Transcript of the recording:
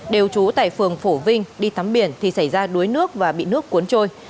đều trú tại phường phổ vinh đi tắm biển thì xảy ra đuối nước và bị nước cuốn trôi